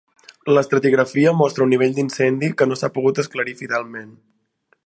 L'estratigrafia mostra un nivell d'incendi que no s'ha pogut esclarir fidelment.